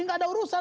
tidak ada urusan